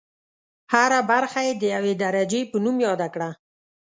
هره برخه یې د یوې درجې په نوم یاده کړه.